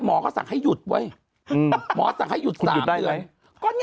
หมอสั่งให้หยุดซามเดือน